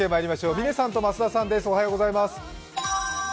嶺さんと増田さんです。